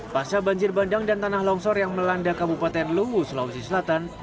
pada saat banjir bandang dan tanah longsor yang melanda kabupaten lewu sulawesi selatan